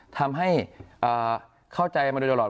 ทำให้เข้าใจมาโดยตลอด